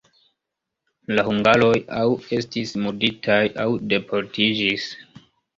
La hungaroj aŭ estis murditaj, aŭ deportiĝis.